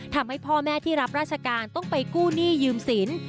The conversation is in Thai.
ทำให้พ่อแม่ที่รับราชการต้องไปกู้หนี้ยืมสิน